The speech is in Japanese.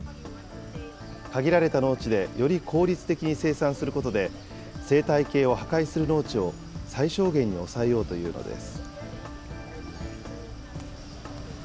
限られた農地でより効率的に生産することで、生態系を破壊する農地を最小限に抑えようというのです。